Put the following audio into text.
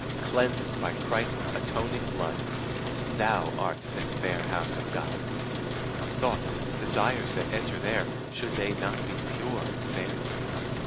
Cleansed by Christ's atoning blood, Thou art this fair house of God. Thoughts, desires, that enter there, Should they not be pure and fair?